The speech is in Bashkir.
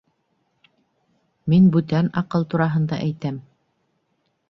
- Мин бүтән аҡыл тураһында әйтәм.